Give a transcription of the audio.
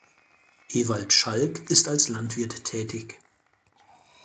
Ewald Schalk ist als Landwirt tätig.